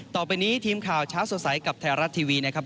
ต่อไปนี้ทีมข่าวเช้าสดใสกับไทยรัฐทีวีนะครับ